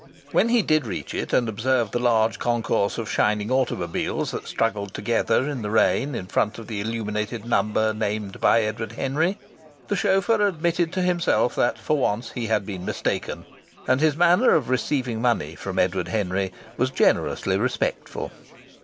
When he did reach it, and observed the large concourse of shining automobiles that struggled together in the rain in front of the illuminated number named by Edward Henry, the chauffeur admitted to himself that for once he had been mistaken, and his manner of receiving money from Edward Henry was generously respectful.